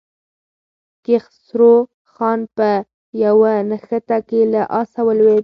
کیخسرو خان په یوه نښته کې له آسه ولوېد.